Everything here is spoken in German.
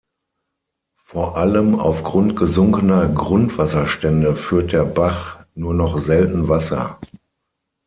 Vor allem aufgrund gesunkener Grundwasserstände führt der Bach nur noch selten Wasser.